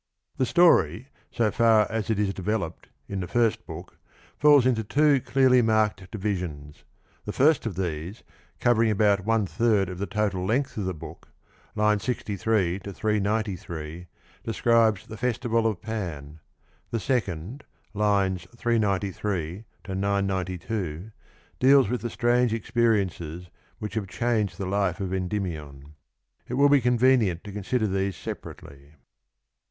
The story, so far as it is developed in the hrst book, The story. falls into two clearly marked divisions ; the hrst of these, covering about one third of the total length of the book (lines 63 to 393) describes the festival of Fan; the second (lines 393 to 992) deals with the strange experiences which have changed the life of Endymion. it will be con venient to consider these separately.